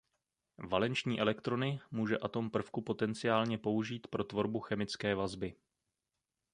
Valenční elektrony může atom prvku potenciálně použít pro tvorbu chemické vazby.